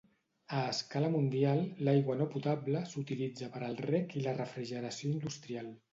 A escala mundial, l'aigua no potable s'utilitza per al reg i la refrigeració industrial.